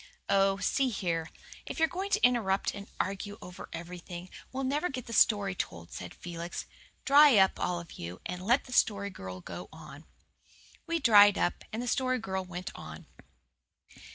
"Oh, see here, if you're going to interrupt and argue over everything, we'll never get the story told," said Felix. "Dry up, all of you, and let the Story Girl go on." We dried up, and the Story Girl went on.